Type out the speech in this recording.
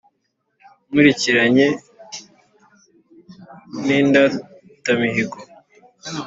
nkurikiranye n’indatamihigo